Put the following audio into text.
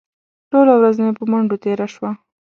ټوله ورځ مې په منډو تېره شوه.